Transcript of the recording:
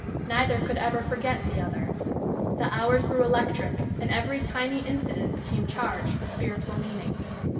Neither could ever forget the other. The hours grew electric, and every tiny incident became charged with spiritual meaning.